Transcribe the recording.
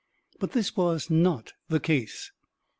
But this was not the case.